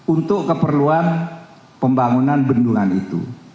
untuk keperluan pembangunan bendungan itu